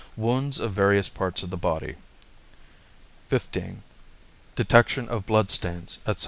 Wounds of Various Parts of the Body 26 XV. Detection of Blood Stains, etc.